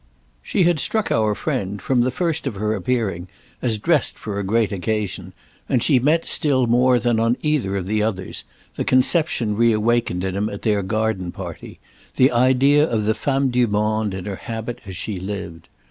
She had struck our friend, from the first of her appearing, as dressed for a great occasion, and she met still more than on either of the others the conception reawakened in him at their garden party, the idea of the femme du monde in her habit as she lived.